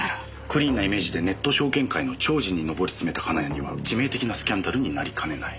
クリーンなイメージでネット証券界の寵児に昇りつめた金谷には致命的なスキャンダルになりかねない。